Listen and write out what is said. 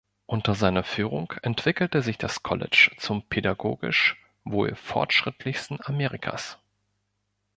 Unter seiner Führung entwickelte sich das College zum pädagogisch wohl fortschrittlichsten Amerikas.